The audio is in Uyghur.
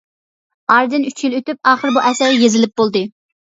ئارىدىن ئۈچ يىل ئۆتۈپ ئاخىر بۇ ئەسەر يېزىلىپ بولدى.